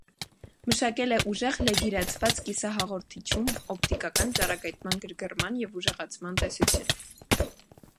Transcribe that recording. Մշակել է ուժեղ լեգիրացված կիսահաղորդիչում օպտիկական ճառագայթման գրգռման և ուժեղացման տեսություն։